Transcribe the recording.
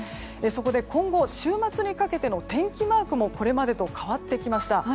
そこで今後週末にかけての天気マークもこれまでと変わってきました。